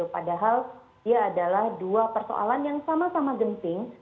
padahal dia adalah dua persoalan yang sama sama genting